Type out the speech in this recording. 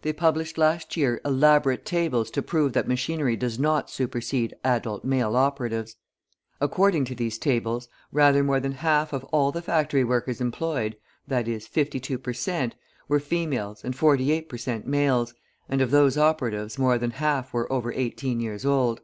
They published last year elaborate tables to prove that machinery does not supersede adult male operatives. According to these tables, rather more than half of all the factory workers employed, viz., 52 per cent., were females and 48 per cent. males, and of those operatives more than half were over eighteen years old.